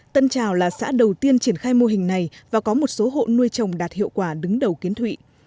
tân trào là xã đầu tiên triển khai mô hình này và có một số hộ nuôi trồng đạt hiệu quả đứng đầu kiến thụy